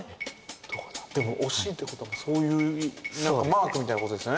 でも惜しいってことはマークみたいなことですよね。